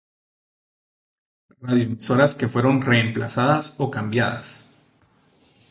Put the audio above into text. Radioemisoras que fueron remplazadas o cambiadas.